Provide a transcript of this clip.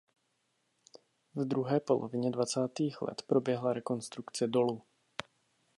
V druhé polovině dvacátých let proběhla rekonstrukce dolu.